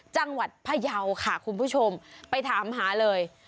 จังหวัดพยาวค่ะคุณผู้ชมไปถามหาเลย